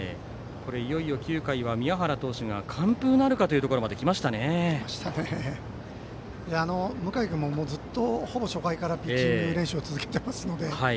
いよいよ９回は宮原投手が完封なるかというところまで向井君もほぼ初回からピッチング練習を続けてますので。